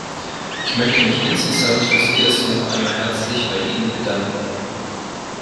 Ich möchte mich insgesamt fürs Erste noch einmal herzlich bei Ihnen bedanken.